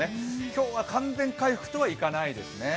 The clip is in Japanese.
今日は完全回復とはいかないですね。